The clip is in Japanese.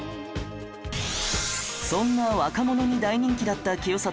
そんな若者に大人気だった清里